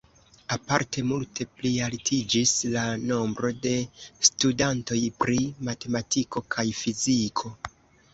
Aparte multe plialtiĝis la nombro de studantoj pri matematiko kaj fiziko.